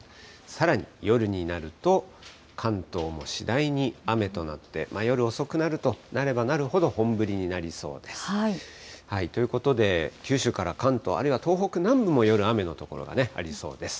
さらに夜になると、関東も次第に雨となって、夜遅くなると、なればなるほど本降りになりそうです。ということで、九州から関東、あるいは東北南部も夜、雨の所がありそうです。